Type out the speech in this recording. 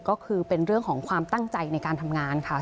ก็คือเป็นเรื่องของความตั้งใจในการทำงานค่ะ